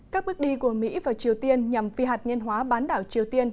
các bước đi của mỹ và triều tiên nhằm phi hạt nhân hóa bán đảo triều tiên